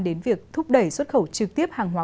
đến việc thúc đẩy xuất khẩu trực tiếp hàng hóa